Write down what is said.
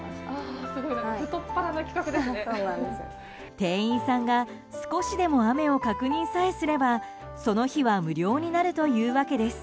店員さんが少しでも雨を確認さえすればその日は無料になるというわけです。